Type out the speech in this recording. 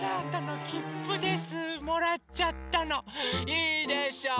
いいでしょう。